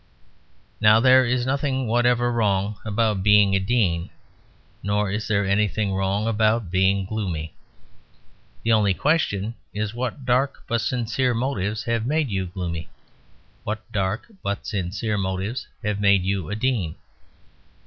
Now there is nothing whatever wrong about being a Dean; nor is there anything wrong about being gloomy. The only question is what dark but sincere motives have made you gloomy. What dark but sincere motives have made you a Dean.